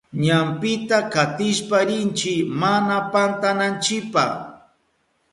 Ñampita katishpa rinchi mana pantananchipa.